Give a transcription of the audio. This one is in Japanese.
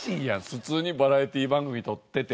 普通にバラエティー番組撮ってて。